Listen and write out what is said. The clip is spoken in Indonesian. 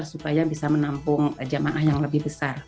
supaya bisa menampung jamaah yang lebih besar